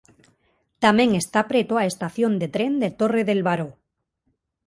Tamén está preto a estación de tren de Torre del Baró.